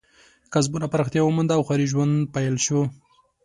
کسبونه پراختیا ومونده او ښاري ژوند پیل شو.